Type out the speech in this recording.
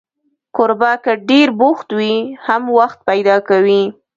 کوربه که ډېر بوخت وي، هم وخت پیدا کوي.